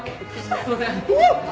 すすいません！